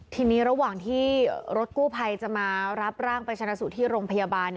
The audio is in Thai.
ทีนี้ระหว่างที่รถกู้ภัยจะมารับร่างไปชนะสูตรที่โรงพยาบาล